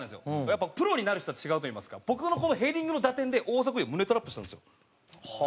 やっぱりプロになる人は違うといいますか僕のこのヘディングの打点で大迫勇也は胸トラップしたんですよ。